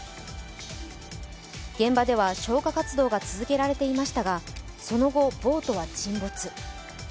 現場では消火活動が続けられていましたが、その後、ボートは沈没。